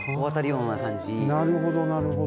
なるほどなるほど。